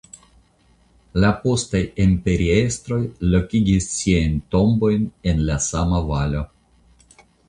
La postaj imperiestroj lokigis siajn tombojn en la sama valo.